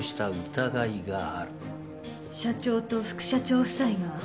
社長と副社長夫妻が。